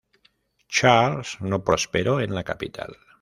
Charles no prosperó en la capital.